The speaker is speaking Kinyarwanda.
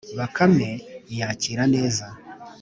bakame iyakira neza